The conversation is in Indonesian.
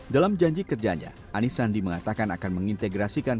dalam janji kerjanya anis sandi mengatakan akan mengintegrasikan